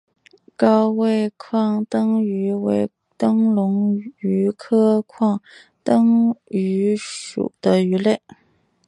高位眶灯鱼为灯笼鱼科眶灯鱼属的鱼类。